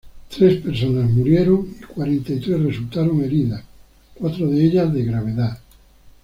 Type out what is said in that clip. Tres personas murieron, y cuarenta y tres resultaron heridas, cuatro de ellas de gravedad.